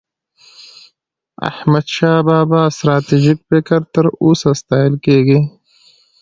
د احمدشاه بابا ستراتیژيک فکر تر اوسه ستایل کېږي.